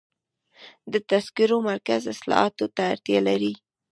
د تذکرو مرکز اصلاحاتو ته اړتیا لري.